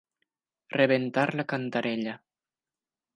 Rebentar la cantarella.